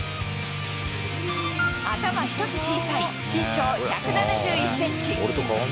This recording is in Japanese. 頭一つ小さい、身長１７１センチ。